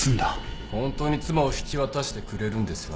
本当に妻を引き渡してくれるんですよね？